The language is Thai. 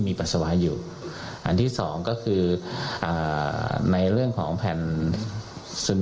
มีปัสสาวะอยู่อันที่สองก็คืออ่าในเรื่องของแผ่นซึม